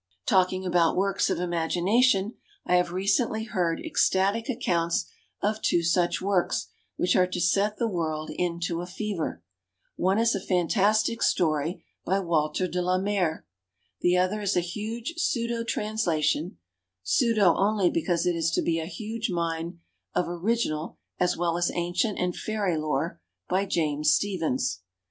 « Talking about works of imagination, I have recently heard ecstatic accounts of two such works which are to set the world into a fever. One is a fantastic story by Walter de la Mare. The other is a huge pseudo translation (pseudo only because it is to be a huge mine of original as well as ancient and fairy lore) by James Stephens.